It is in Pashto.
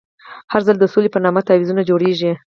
هر ځل د سولې په نامه تعویضونه جوړېږي.